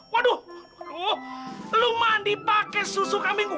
waduh waduh lu mandi pakai susu kambing gue